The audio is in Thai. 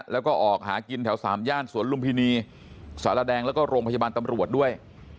แล้วก็ออกหากินแถวสามย่านสวนลุมพินีสารแดงแล้วก็โรงพยาบาลตำรวจด้วย